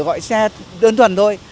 gọi xe đơn thuần thôi